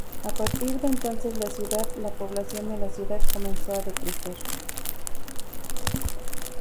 A partir de entonces la ciudad, la población de la ciudad comenzó a decrecer.